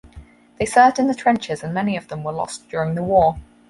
They served in the trenches and many of them were lost during the war.